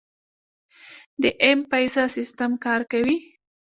د ایم پیسه سیستم کار کوي؟